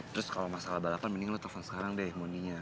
terus kalau masalah balapan mending lo telfon sekarang deh mondinya